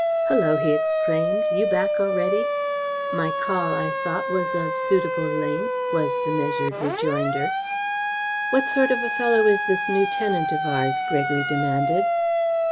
"Hullo!" he exclaimed. "You back already!" "My call I thought was of suitable length," was the measured rejoinder. "What sort of a fellow is this new tenant of ours?" Gregory demanded.